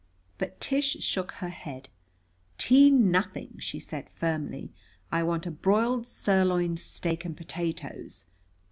But Tish shook her head. "Tea nothing!" she said firmly. "I want a broiled sirloin steak and potatoes.